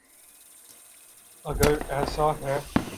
اگر ایسا ہے۔